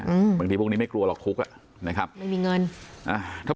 อืมบางทีพวกนี้ไม่กลัวหรอกคุกอ่ะนะครับไม่มีเงินอ่าถ้า